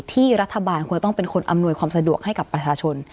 ที่รัฐบาลควรต้องเป็นคนอำนวยความสะดวกให้กับประชาชน